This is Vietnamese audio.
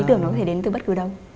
tưởng nó có thể đến từ bất cứ đâu